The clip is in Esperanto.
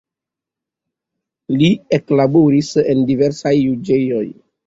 Li eklaboris en diversaj juĝejoj.